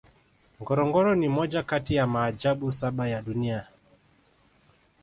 ngorongoro ni moja kati ya maajabu saba ya dunia